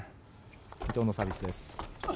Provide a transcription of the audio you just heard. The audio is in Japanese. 伊藤のサービスです。